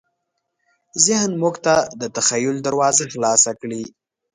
ذهن موږ ته د تخیل دروازه خلاصه کړې.